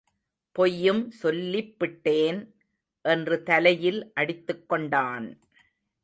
பொய்யும் சொல்லிப்பிட்டேன்.. என்று தலையில் அடித்துக் கொண்டான்.